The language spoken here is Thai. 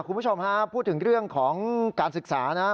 คุณผู้ชมฮะพูดถึงเรื่องของการศึกษานะครับ